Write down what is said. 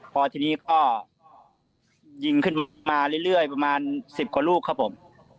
พอทีนี้ก็ยิงขึ้นมาเรื่อยประมาณ๑๐กว่าลูกครับผม